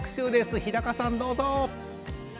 日高さんどうぞ。